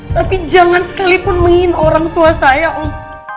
tapi jangan sekalipun mengina orang tua saya om